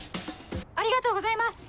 ありがとうございます！